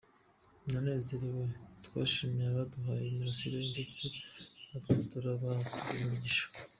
Naranezerewe, twashimiye abaduhaye imirasire ndetse natwe turabasabira imigisha.